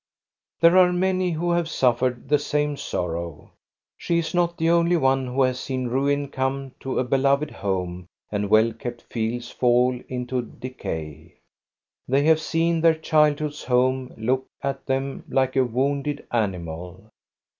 There are many who have suffered the same sor row. She is not the only one who has seen ruin come to a beloved home and well kept fields fall into decay. They have seen their childhood's home look at them like a wounded animal.